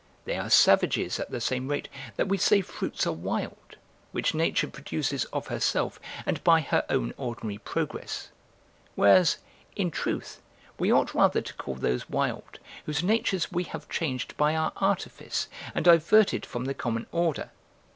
They are savages at the same rate that we say fruits are wild, which nature produces of herself and by her own ordinary progress; whereas, in truth, we ought rather to call those wild whose natures we have changed by our artifice and diverted from the common order.